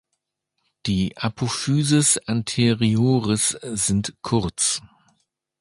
Die Apophyses anteriores sind kurz.